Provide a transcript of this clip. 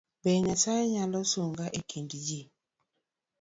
Be Nyasaye nyalo sunga ekind ji?